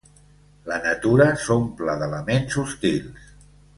La natura s'omple d'elements hostils.